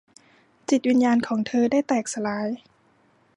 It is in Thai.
จิตวิญญาณของเธอได้แตกสลาย